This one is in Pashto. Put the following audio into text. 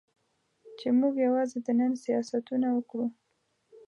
چې موږ یوازې د نن سیاستونه وکړو.